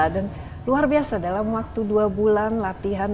dan luar biasa dalam waktu dua bulan latihan